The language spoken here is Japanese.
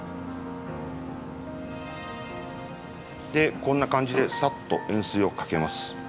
こんな感じでサッと塩水をかけます。